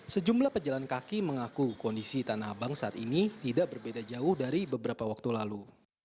sejumlah pejalan kaki mengaku kondisi tanah abang saat ini tidak berbeda jauh dari beberapa waktu lalu